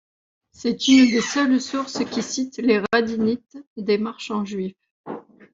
C'est une des seules sources qui citent les Radhanites, des marchands juifs.